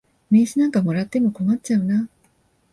名刺なんかもらっても困っちゃうな。